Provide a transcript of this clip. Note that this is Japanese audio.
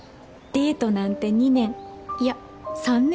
デートなんて２年いや３年ぶりかな